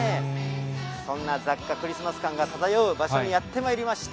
そんな雑貨、クリスマス感が漂う場所にやってまいりました。